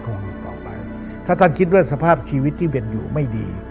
ต่อไปถ้าท่านคิดว่าสภาพชีวิตที่เป็นอยู่ไม่ดี